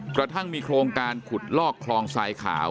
กระทั่งมีโครงการขุดลอกคลองทรายขาว